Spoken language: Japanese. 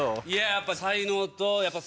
やっぱ。